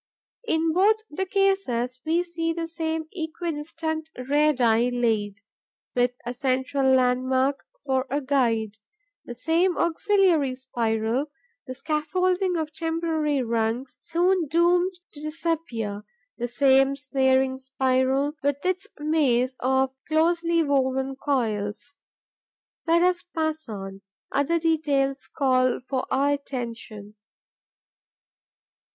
In both cases, we see the same equidistant radii laid, with a central landmark for a guide; the same auxiliary spiral, the scaffolding of temporary rungs, soon doomed to disappear; the same snaring spiral, with its maze of closely woven coils. Let us pass on: other details call for our attention.